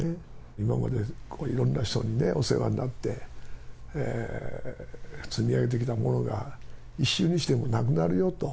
今までいろんな人にお世話になって、積み上げてきたものが、一瞬にしてなくなるよと。